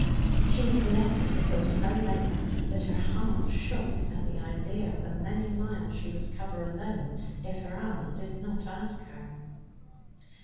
She had left it until so late that her heart shook at the idea of the many miles she must cover alone if her aunt did not ask her.